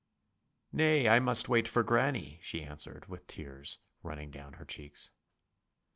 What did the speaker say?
'Nay, I must wait for granny,' she answered, with the tears running down her cheeks.